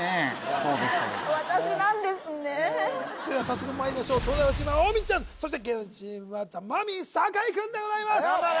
それでは早速まいりましょう東大王チームは大道ちゃんそして芸能人チームはザ・マミィ酒井くんでございます・頑張れ！